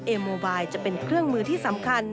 โมบายจะเป็นเครื่องมือที่สำคัญ